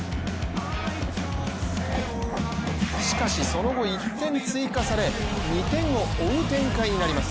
しかしその後、１点追加され２点を追う展開になります。